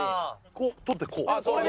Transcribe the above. こう捕ってこう？